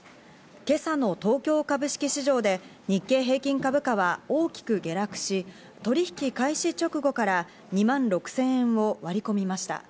今朝の東京株式市場で日経平均株価は大きく下落し、取引開始直後から２万６０００円を割り込みました。